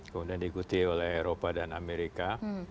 kemudian diikuti oleh eropa dan amerika